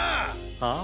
はあ。